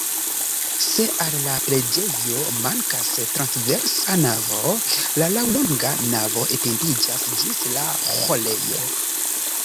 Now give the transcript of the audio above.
Se al la preĝejo mankas transversa navo, la laŭlonga navo etendiĝas ĝis la ĥorejo.